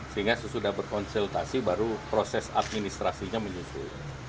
sehingga sesudah berkonsultasi baru proses administrasinya menyusul